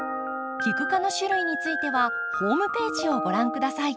キク科の種類についてはホームページをご覧下さい。